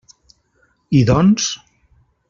I doncs?